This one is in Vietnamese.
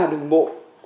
rất là đường bộ